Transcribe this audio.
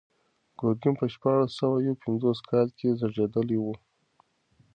ګورګین په شپاړس سوه یو پنځوس کال کې زېږېدلی و.